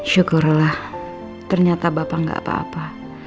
syukurlah ternyata bapak gak apa apa